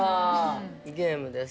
ゲームです。